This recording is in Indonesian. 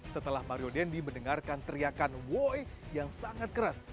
setelah mario dendi mendengarkan teriakan woy yang sangat keras